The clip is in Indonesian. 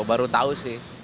baru tahu sih